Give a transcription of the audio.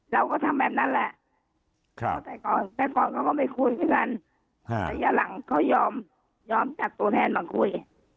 เราก็ทำแบบนั้นแหละแต่ก่อนเขาก็ไม่คุยด้วยกันแต่อย่างหลังเขายอมจัดตัวแทนมาคุย